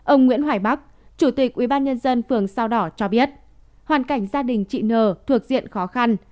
ông nguyễn hoài bắc chủ tịch ubnd phường sao đỏ cho biết hoàn cảnh gia đình chị nờ thuộc diện khó khăn